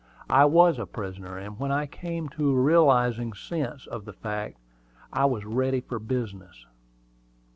I was a prisoner; and when I came to a realizing sense of the fact, I was ready for business.